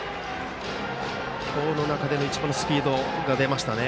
今日の中で一番のスピードが出ましたね。